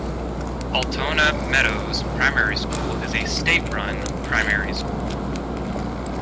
Altona Meadows Primary School is a state-run primary school.